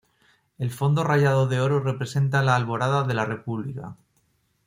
El fondo rayado de oro representa la alborada de la República.